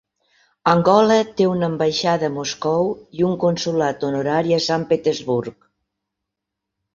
Angola té una ambaixada a Moscou i un consolat honorari a San Petersburg.